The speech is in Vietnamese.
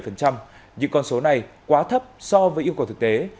những con số này quá thấp so với yêu cầu thực tế